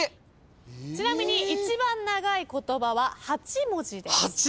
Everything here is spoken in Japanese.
ちなみに一番長い言葉は８文字です。